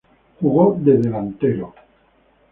Jugó de delantero.